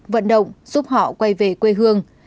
vận động giúp họ quay về quê hương